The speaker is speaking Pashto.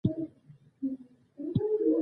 په پښتو ژبه د کمپیوټري ساینس مواد محدود دي.